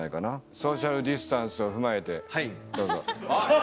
ソーシャルディスタンスを踏まえてどうぞ。